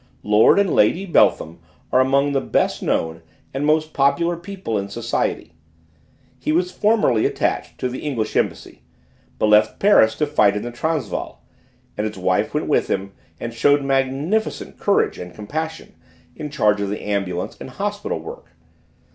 Lord and Lady Beltham are among the best known and most popular people in society. He was formerly attached to the English Embassy, but left Paris to fight in the Transvaal, and his wife went with him and showed magnificent courage and compassion in charge of the ambulance and hospital work.